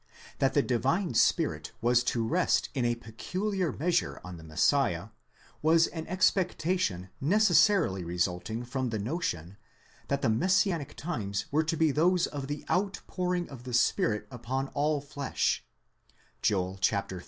That the Divine Spirit was to rest in a peculiar measure on the Messiah, was an expectation necessarily resulting from the notion, that the messianic times were to be those of the outpouring of the Spirit upon all flesh (Joel iii.